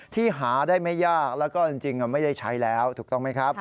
ที่หาได้ไม่ยากแล้วก็จริงไม่ได้ใช้แล้วถูกต้องไหมครับ